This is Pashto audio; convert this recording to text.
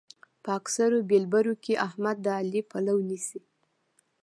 په اکثرو بېلبرو کې احمد د علي پلو نيسي.